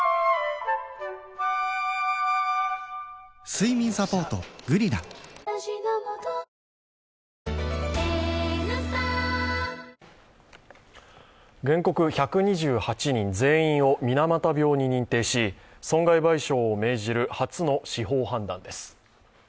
睡眠サポート「グリナ」原告１２８人全員を水俣病に認定し、損害賠償を命じる初の司法判断です。